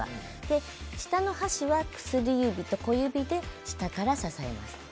下の箸は薬指と小指で下から支えます。